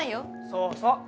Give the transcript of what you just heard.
そうそう。